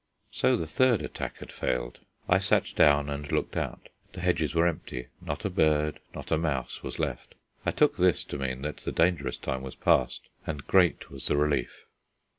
So the third attack had failed. I sat down and looked out. The hedges were empty; not a bird, not a mouse was left. I took this to mean that the dangerous time was past, and great was the relief.